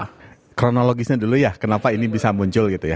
nah kronologisnya dulu ya kenapa ini bisa muncul gitu ya